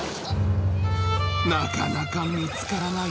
なかなか見つからない。